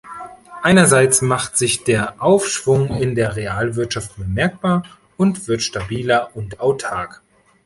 Einerseits macht sich der Aufschwung in der Realwirtschaft bemerkbar und wird stabiler und autark.